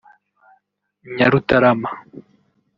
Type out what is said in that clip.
Nyarutarama